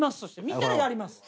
見たらやります。